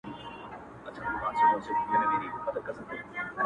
ستا په ليدو مي ژوند د مرگ سره ډغري وهي.